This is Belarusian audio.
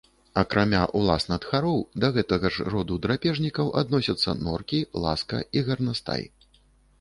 Акрамя ўласна тхароў, да гэтага ж роду драпежнікаў адносяцца норкі, ласка і гарнастай.